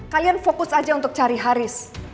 kalian fokus aja untuk cari haris